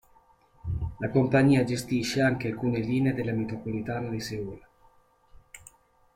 La compagnia gestisce anche alcune linee della metropolitana di Seul.